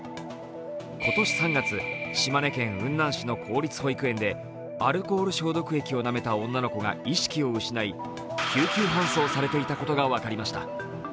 今年３月、島根県雲南市の公立保育園でアルコール消毒液をなめた女の子が意識を失い、救急搬送されていたことが分かりました。